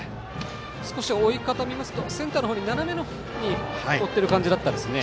少し追い方を見ますと斜めにセンターの方へ追っている感じでしたね。